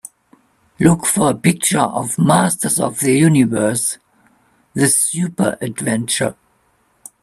Look for a picture of Masters of the Universe: The Super Adventure